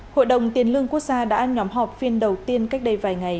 hội đồng tiền lương quốc gia đã nhóm họp phiên đầu tiên cách đây vài ngày